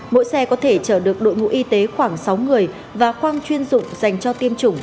mỗi xe có thể chở được đội ngũ y tế khoảng sáu người và khoang chuyên dụng dành cho tiêm chủng